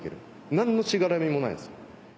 何のしがらみもないんですよ。